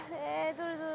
どれどれ。